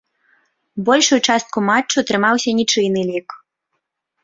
Большую частку матчу трымаўся нічыйны лік.